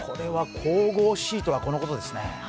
神々しいとはこのことですね。